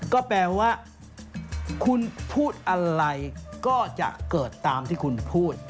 ก็แปลว่าคุณพูดอะไรก็จะเกิดตามที่คุณพูด